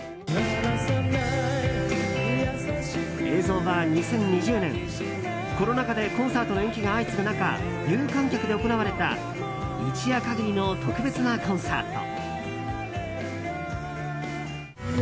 映像は２０２０年、コロナ禍でコンサートの延期が相次ぐ中有観客で行われた一夜限りの特別なコンサート。